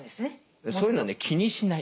そういうのはね気にしない。